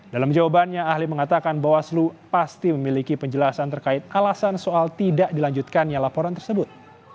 dalam jawabannya ahli mengatakan bawaslu pasti memiliki penjelasan terkait alasan soal tidak dilanjutkannya laporan tersebut